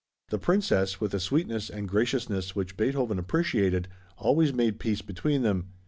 The Princess, with a sweetness and graciousness which Beethoven appreciated, always made peace between them.